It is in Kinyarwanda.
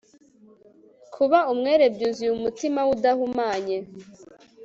Kuba umwere byuzuye umutima we udahumanye